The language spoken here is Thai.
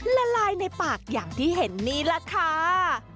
ละลายในปากอย่างที่เห็นนี่แหละค่ะ